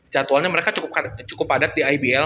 jadwalnya mereka cukup padat di ibl